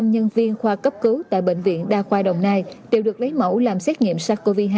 một trăm linh năm nhân viên khoa cấp cứu tại bệnh viện đa khoa đồng nai đều được lấy mẫu làm xét nghiệm sars cov hai